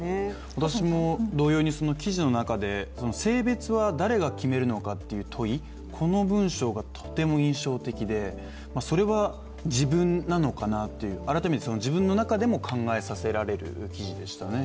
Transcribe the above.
私も同様に、記事の中で性別は誰が決めるのかという問い、この文章がとても印象的でそれは自分なのかなという改めて、自分の中でも考えさせられる記事でしたね。